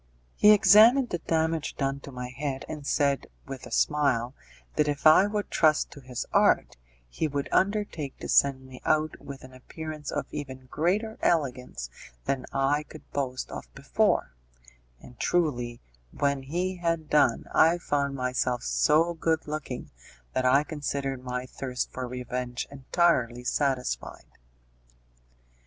He examined the damage done to my head, and said, with a smile, that if I would trust to his art, he would undertake to send me out with an appearance of even greater elegance than I could boast of before; and truly, when he had done, I found myself so good looking that I considered my thirst for revenge entirely satisfied.